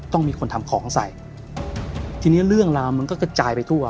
ต้องมีคนทำของใส่ทีนี้เรื่องราวมันก็กระจายไปทั่ว